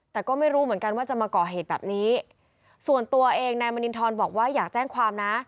แต่ก็ไม่รู้เหมือนกันว่าจะมาก่อเหตุแบบนี้ส่วนตัวเองนายมณินทรบอกว่าอยากแจ้งความนะ